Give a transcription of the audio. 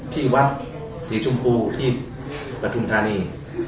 ที่วัดสีชมพูที่ปฐุมธานี